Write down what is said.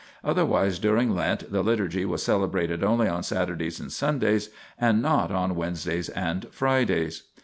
Otherwise during Lent the Liturgy was celebrated only on Saturdays and Sundays, and not on Wednesdays and Fridays.